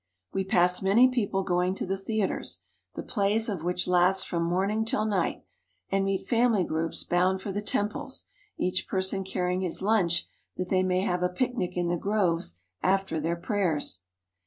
We pass many people going to the theaters, the plays of which last from morning till night, and meetfamilygroupsbound for the temples, each per son carrying his lunch that they may have a pic nic in the groves after their prayers.